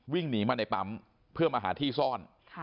วิ่งหนีมาในปั๊มเพื่อมาหาที่ซ่อน